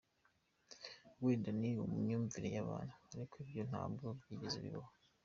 Wenda ni mu myumvire y’abantu ariko ibyo ntabwo byigeze bibaho.